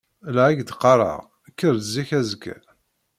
La ak-d-qqareɣ, kker-d zik azekka.